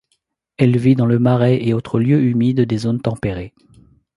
Elle vit dans les marais et autres lieux humides des zones tempérées.